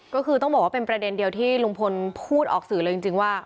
ก็คือต้องบอกว่าเป็นประเด็นเดียวที่ลุงพลพูดออกสื่อเลยจริงว่า